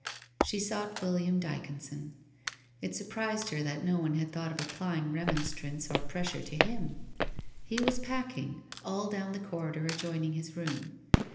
She sought William Dyconson. It surprised her that no one had thought of applying remonstrance or pressure to him. He was packing, all down the corridor adjoining his room.